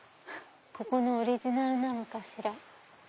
ここのオリジナルなのかしら？